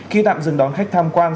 khi tạm dừng đón khách tham quan